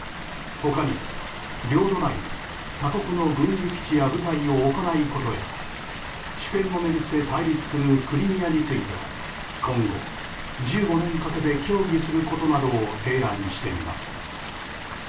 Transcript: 他にも、領土内に他国の軍事基地や部隊を置かないことや主権を巡って対立するクリミアについては今後１５年かけて協議することなどを提案しています。